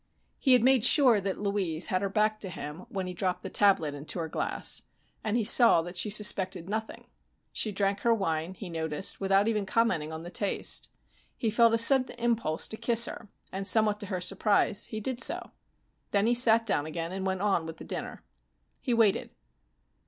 He had made sure that Louise had her back to him when he dropped the tablet into her glass, and he saw that she suspected nothing. She drank her wine, he noticed, without even commenting on the taste. He felt a sudden impulse to kiss her, and, somewhat to her surprise, he did so. Then he sat down again and went on with the dinner. He waited.